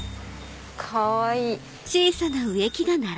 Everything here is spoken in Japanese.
かわいい！